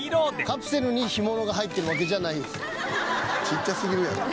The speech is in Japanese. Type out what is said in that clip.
「カプセルに干物が入ってるわけじゃない」「ちっちゃすぎるやろ」